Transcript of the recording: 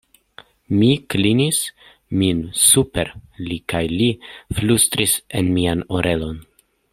Mi klinis min super li kaj li flustris en mian orelon: